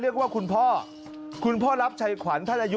เรียกว่าคุณพ่อคุณพ่อรับชัยขวัญท่านอายุ